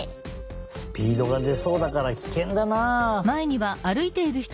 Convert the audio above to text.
スピードがでそうだからキケンだなあ。